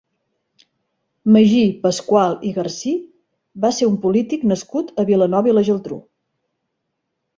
Magí Pascual i Garcí va ser un polític nascut a Vilanova i la Geltrú.